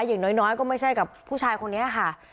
อย่างน้อยก็ไม่ใช่กับผู้ชายคนนี้ค่ะ